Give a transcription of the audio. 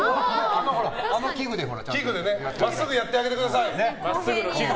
まっすぐやってあげてください。